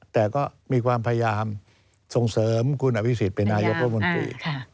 แต่ก็มีความพยายามส่งเสริมคุณอภิษฎเป็นนายกรัฐมนตรี